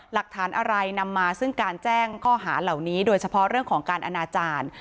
หลักฐานอะไรนำมาซึ่งการแจ้งข้อหาเหล่านี้โดยเฉพาะเรื่องของการอนาจารย์